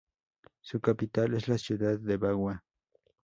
Su capital es la ciudad de Bagua.